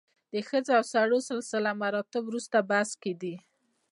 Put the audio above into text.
د ښځو او سړو سلسله مراتب وروسته بحث کې دي.